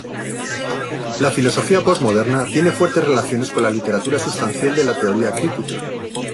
La filosofía posmoderna tiene fuertes relaciones con la literatura sustancial de la teoría crítica.